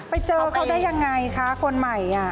ไปเจอเขาได้ยังไงคะคนใหม่